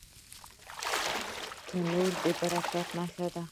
تنور د برکت نښه ده